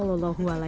ini berapa juta juta